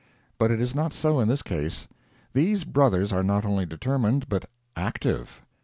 But it is not so in this case. These brothers are not only determined but "active."